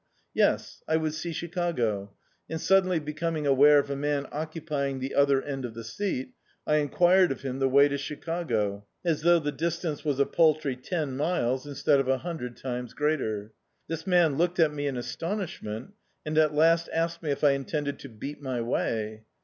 Yes, I would see Chicago: and, suddenly becoming aware of a man occupying the other end of the seat, I enquired of him the way to Chicago, as thou^ the distance was a paltry ten miles, instead of a hundred times greater. This man looked at me in astonish ment, and at last asked me if I intended to beat my way.